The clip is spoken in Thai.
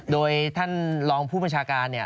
โดยท่านรองผู้ประชาการเนี่ย